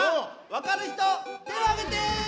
わかるひとてをあげて！